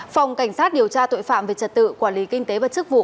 phòng cảnh sát điều tra tội phạm về trật tự quản lý kinh tế và chức vụ